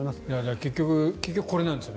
結局これなんですよね